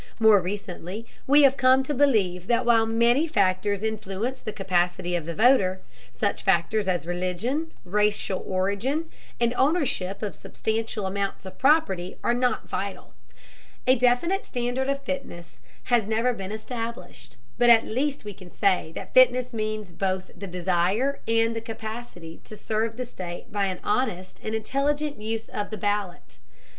More recently we have come to believe that while many factors influence the capacity of the voter, such factors as religion, racial origin, and ownership of substantial amounts of property, are not vital. A definite standard of fitness has never been established, but at least we can say that fitness means both the desire and the capacity to serve the state by an honest and intelligent use of the ballot.